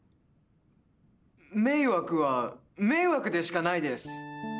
「迷惑」は「迷惑」でしかないです。